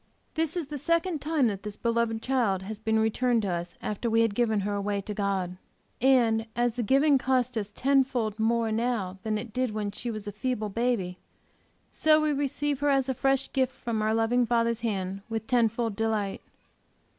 This is the second time that this beloved child has been returned to us after we had given her away to God. And as the giving cost us ten fold more now than it did when she was a feeble baby, so we receive her as a fresh gift from our loving Father's hand, with ten fold delight.